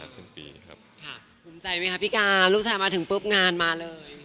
ภูมิใจไหมคะพี่การลูกชายมาถึงปุ๊บงานมาเลย